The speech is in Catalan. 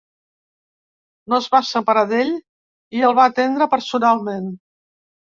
No es va separar d’ell i el va atendre personalment.